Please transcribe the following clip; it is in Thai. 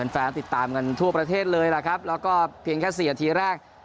แฟนติดตามกันทั่วประเทศเลยล่ะครับแล้วก็เพียงแค่๔นาทีแรก